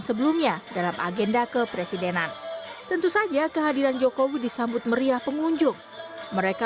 sebelumnya dalam agenda kepresidenan tentu saja kehadiran jokowi disambut meriah pengunjung mereka